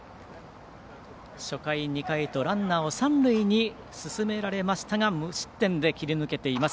初回、２回とランナーを三塁に進められましたが無失点で切り抜けています